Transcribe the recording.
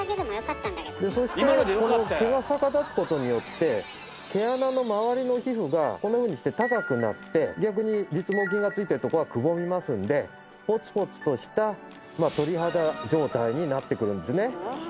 そしてこの毛が逆立つことによって毛穴の周りの皮膚がこのようにして高くなって逆に立毛筋がついているとこはくぼみますんでポツポツとした鳥肌状態になってくるんですね。